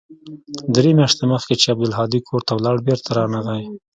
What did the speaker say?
درې مياشتې مخکې چې عبدالهادي کور ته ولاړ بېرته رانغى.